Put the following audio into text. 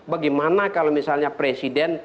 bagaimana kalau misalnya presiden